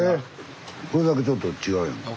これだけちょっと違うやんか。